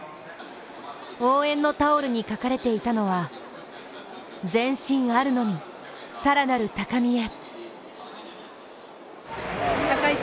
応援のタオルに書かれていたのは「前進あるのみさらなる高みへ！」。